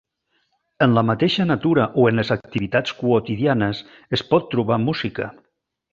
En la mateixa natura o en les activitats quotidianes es pot trobar música.